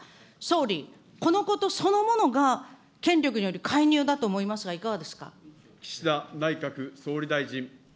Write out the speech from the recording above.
総理、このことそのものが権力による介入だと思いますが、いかがですか。